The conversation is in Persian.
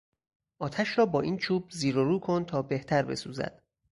آتش را با این چوب زیر و رو کن تا بهتر بسوزد.